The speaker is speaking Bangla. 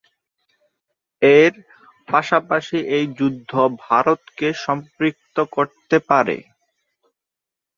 এর পাশাপাশি এ যুদ্ধ ভারতকে সম্পৃক্ত করতে পারে।